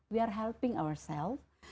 kita membantu diri kita sendiri